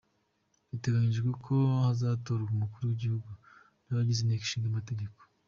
Biteganyijwe ko hazatorwa umukuru w’igihugu n’abagize inteko ishinga amategeko.